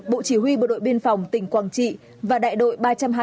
bộ chỉ huy bộ đội biên phòng tỉnh quảng trị và đại đội ba trăm hai mươi tám